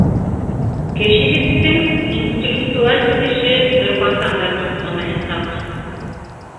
Кешелектең интеллектуаль үҫеше бер ҡасан да туҡтамаясаҡ.